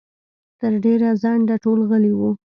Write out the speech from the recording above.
تر ډېره ځنډه ټول غلي وو.